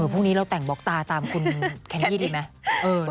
พรุ่งนี้เราแต่งบล็อกตาตามคุณแคนดี้ดีไหม